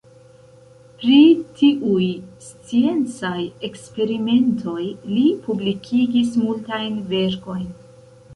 Pri tiuj sciencaj eksperimentoj li publikigis multajn verkojn.